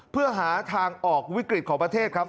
เพื่อหาทางออกวิกฤตของประเทศครับ